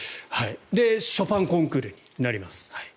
ショパンコンクールになります。